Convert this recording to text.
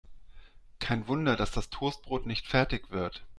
Kein Wunder, dass das Toastbrot nicht fertig wird.